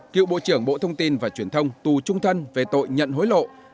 cựu bộ trưởng bộ thông tin và truyền thông tù trung thân về tội nhận hối lộ